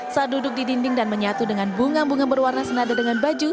saat duduk di dinding dan menyatu dengan bunga bunga berwarna senada dengan baju